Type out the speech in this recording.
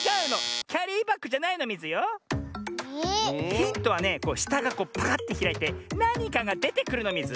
ヒントはねこうしたがパカッてひらいてなにかがでてくるのミズ。